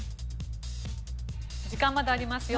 時間まだありますよ。